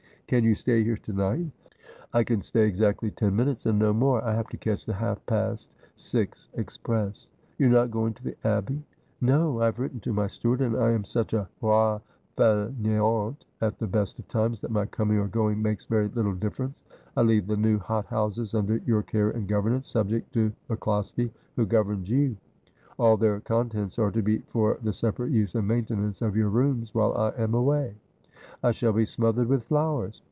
' Can you stay here to night ?'' I can stay exactly ten minutes, and no more. I have to catch the half past six express.' ' You are not going to the Abbey ?'' No. I have written to my steward, and I am such a roi faineant at the best of times that my coming or going makes very little difference. I leave the new hot houses under your care and governance, subject to MacCloskie, who governs you. All their contents are to be for the separate use and maintenance of your rooms while I am away.' 'I shall be smothered with flowers.'